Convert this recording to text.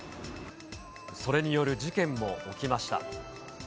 それによる事件も起きました。